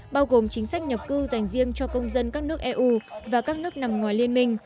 bao gồm chính sách nhập cư dành riêng cho công dân các nước eu và các nước nằm ngoài liên minh